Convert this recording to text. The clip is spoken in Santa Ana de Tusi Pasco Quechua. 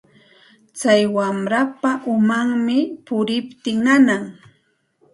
Tsay warmapa umanmi puriptin nanan.